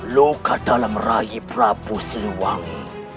luka dalam ragi prabu siliwangi